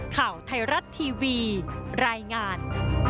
ข่าวไทยรัฐทีวีรายงาน